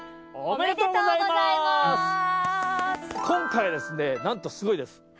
今回ですねなんとすごいです。